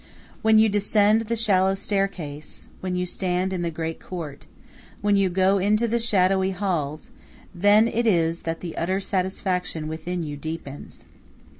When you descend the shallow staircase, when you stand in the great court, when you go into the shadowy halls, then it is that the utter satisfaction within you deepens.